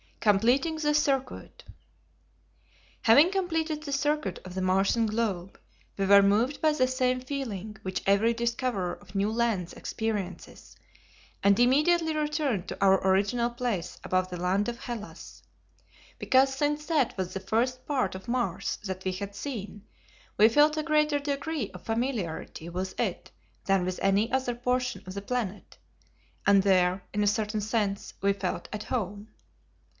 Completing the Circuit. Having completed the circuit of the Martian globe, we were moved by the same feeling which every discoverer of new lands experiences, and immediately returned to our original place above the land of Hellas, because since that was the first part of Mars that we had seen, we felt a greater degree of familiarity with it than with any other portion of the planet, and there, in a certain sense, we felt "at home."